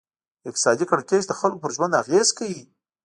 اقتصادي کړکېچ د خلکو پر ژوند اغېز کوي.